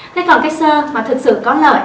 thế còn cái sơ mà thực sự có lợi